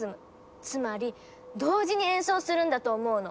つまり同時に演奏するんだと思うの。